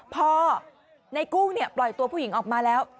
พอในกุ้งปล่อยตัวผู้หญิงออกมาแล้ว